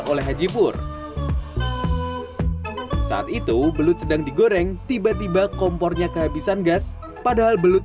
oleh haji pur saat itu belut sedang digoreng tiba tiba kompornya kehabisan gas padahal belut